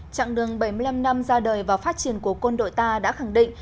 trạng đường bảy mươi năm năm ra đời và phát triển của quân đội ta đã khẳng định